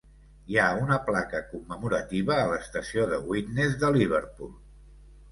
Hi ha una placa commemorativa a l'estació de Widnes de Liverpool.